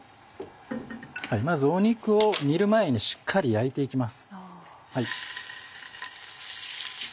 まず肉を煮る前にしっかり焼いて行きます。